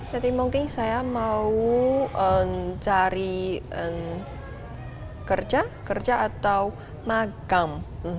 jadi mungkin saya mau cari kerja atau magang